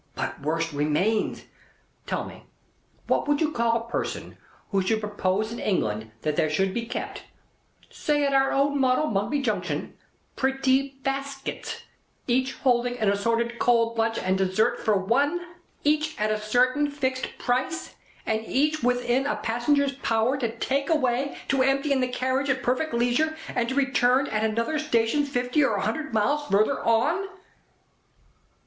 But worse remains. Tell me, what would you call a person who should propose in England that there should be kept, say at our own model Mugby Junction, pretty baskets, each holding an assorted cold lunch and dessert for one, each at a certain fixed price, and each within a passenger's power to take away, to empty in the carriage at perfect leisure, and to return at another station fifty or a hundred miles further on?"